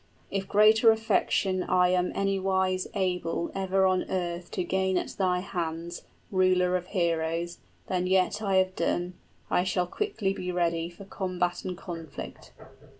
If greater affection I am anywise able ever on earth to Gain at thy hands, ruler of heroes, Than yet I have done, I shall quickly be ready {I shall be ever ready to aid thee.} 10 For combat and conflict.